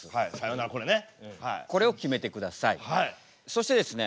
そしてですね